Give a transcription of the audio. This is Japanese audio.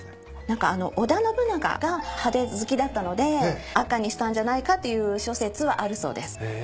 何か織田信長が派手好きだったので赤にしたんじゃないかっていう諸説はあるそうです。